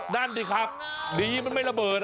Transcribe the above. นั่นดิครับดีมันไม่ระเบิด